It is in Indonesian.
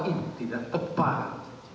ini tidak tepat